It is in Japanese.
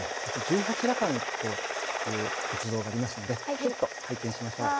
十八羅漢という仏像がありますのでちょっと拝見しましょう。